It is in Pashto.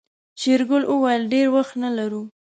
شېرګل وويل ډېر وخت نه لرو.